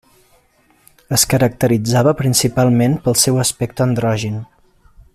Es caracteritzava principalment pel seu aspecte androgin.